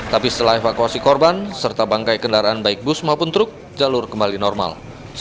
tapi setelah evakuasi korban serta bangkai kendaraan baik bus maupun truk jalur kembali normal